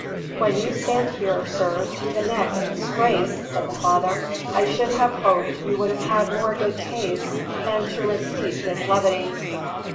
"When you stand here, sir, to the neck in disgrace," said the father, "I should have hoped you would have had more good taste than to repeat this levity."